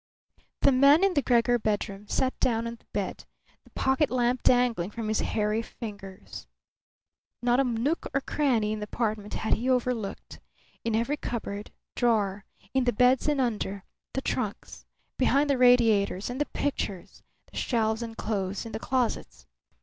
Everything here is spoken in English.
The man in the Gregor bedroom sat down on the bed, the pocket lamp dangling from his hairy fingers. Not a nook or cranny in the apartment had he overlooked. In every cupboard, drawer; in the beds and under; the trunks; behind the radiators and the pictures; the shelves and clothes in the closets.